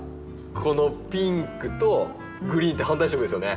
このピンクとグリーンって反対色ですよね。